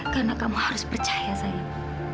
karena kamu harus percaya sayang